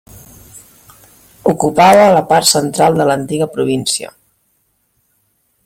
Ocupava la part central de l'antiga província.